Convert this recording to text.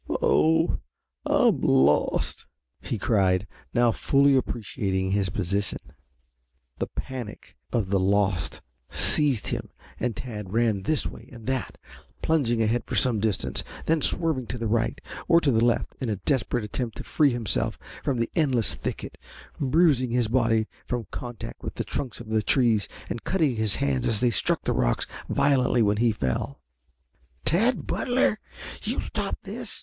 "Oh, I'm lost!" he cried, now fully appreciating his position. The panic of the lost seized him and Tad ran this way and that, plunging ahead for some distance, then swerving to the right or to the left in a desperate attempt to free himself from the endless thicket, bruising his body from contact with the trunks of the trees and cutting his hands as they struck the rocks violently when he fell. "Tad Butler, you stop this!"